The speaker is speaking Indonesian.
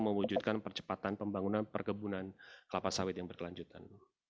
mewujudkan percepatan pembangunan perkebunan kelapa sawit yang berkelanjutan